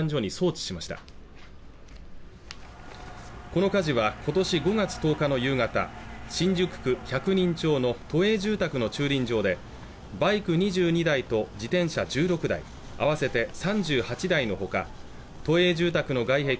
この火事はことし５月１０日の夕方新宿区百人町の都営住宅の駐輪場でバイク２２台と自転車１６台合わせて３８台のほか都営住宅の外壁